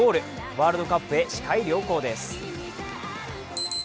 ワールドカップへ視界良好です。